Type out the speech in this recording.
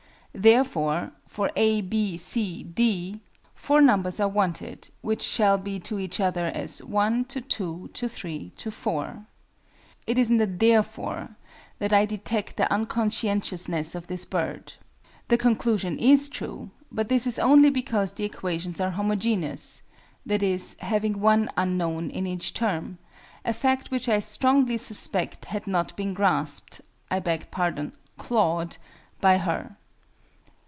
Therefore for A, B, C, D, four numbers are wanted which shall be to each other as 1:2:3:4." It is in the "therefore" that I detect the unconscientiousness of this bird. The conclusion is true, but this is only because the equations are "homogeneous" (i.e. having one "unknown" in each term), a fact which I strongly suspect had not been grasped I beg pardon, clawed by her.